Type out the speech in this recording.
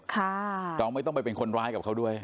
เราไม่ต้องไปเป็นคนร้ายกับเขาด้วย